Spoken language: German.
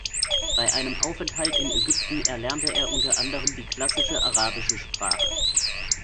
Bei einem Aufenthalt in Ägypten erlernte er unter anderem die klassische arabische Sprache.